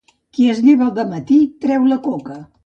Qui es lleva de matí treu la coca.